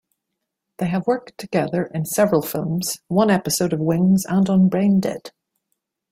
They have worked together in several films, one episode of "Wings", and on "BrainDead".